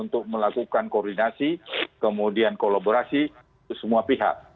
untuk melakukan koordinasi kemudian kolaborasi semua pihak